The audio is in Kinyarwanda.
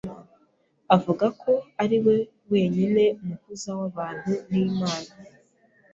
avuga ko ariwe wenyine muhuza w’abantu n’Imana,